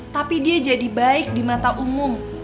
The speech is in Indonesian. tapi dia jadi baik di mata umum